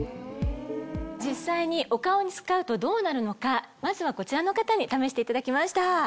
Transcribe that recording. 実際にお顔に使うとどうなるのかまずはこちらの方に試していただきました。